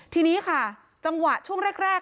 ทีนี้ค่ะจังหวะช่วงแรก